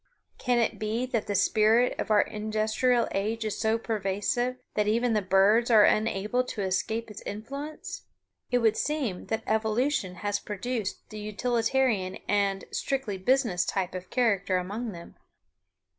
Can it be that the spirit of our industrial age is so pervasive that even the birds are unable to escape its influence? It would seem that evolution has produced the utilitarian and "strictly business" type of character among them.